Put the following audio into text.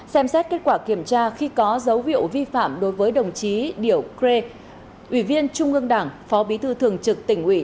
xem xét kết quả kiểm tra khi có dấu hiệu vi phạm đối với đồng chí điểu cre ủy viên trung ương đảng phó bí thư thường trực tỉnh ủy